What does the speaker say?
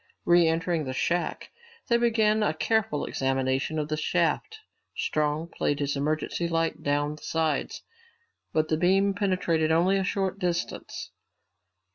Re entering the shack, they began a careful examination of the shaft. Strong played his emergency light down the sides, but the beam penetrated only a short distance.